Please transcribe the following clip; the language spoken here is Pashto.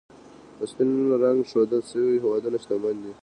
په سپین رنګ ښودل شوي هېوادونه، شتمن دي.